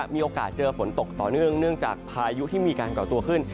มีโอกาสเจอฝนตกต่อเนื่องเนื่องจากพายุที่มีการก่อตัวขึ้น